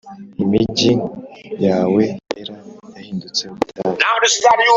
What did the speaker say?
Imigi yawe yera yahindutse ubutayu